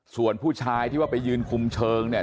ส่วนผู้ชายที่ว่าไปยืนคุมเชิงเนี่ย